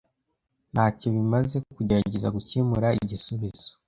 Ntacyo bimaze kugerageza gukemura igisubizo.